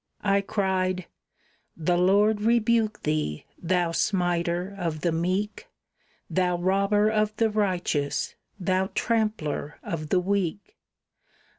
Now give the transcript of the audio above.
I cried, "The Lord rebuke thee, thou smiter of the meek, Thou robber of the righteous, thou trampler of the weak!